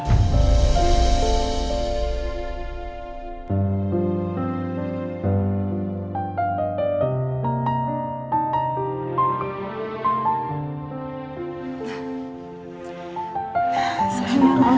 keisha sudah bisa pulang